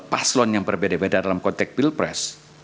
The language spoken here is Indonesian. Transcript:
paslon yang berbeda beda dalam konteks pilpres